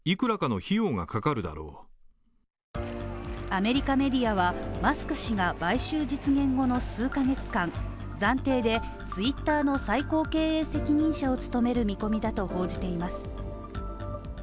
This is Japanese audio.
アメリカメディアはマスク氏が買収実現後の数ヶ月間、暫定でツイッターの最高経営責任者を務める見込みだと報じています。